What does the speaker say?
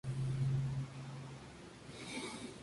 La pareja calza alpargatas de fique.